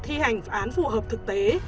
thi hành án phù hợp thực tế